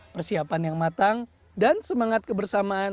persiapan yang matang dan semangat kebersamaan